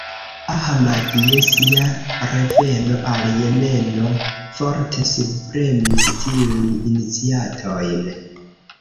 Ahmad je sia reveno al Jemeno forte subpremis tiujn iniciatojn.